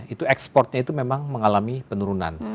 itu ekspornya itu memang mengalami penurunan